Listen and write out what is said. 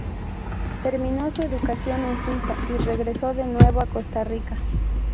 Terminó su educación en Suiza y regresó de nuevo a Costa Rica.